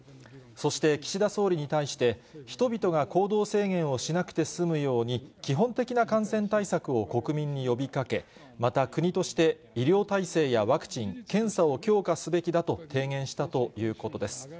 そして岸田総理に対して、人々が行動制限をしなくて済むように基本的な感染対策を国民に呼びかけ、また国として、医療体制やワクチン、検査を強化すべきだと提言したということです。